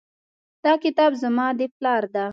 دا کتاب زما د پلار ده